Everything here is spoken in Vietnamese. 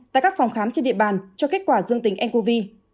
tại các phòng khám trên địa bàn cho kết quả dương tính ncov